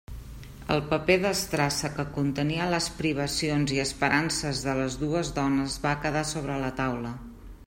El paper d'estrassa que contenia les privacions i esperances de les dues dones va quedar sobre la taula.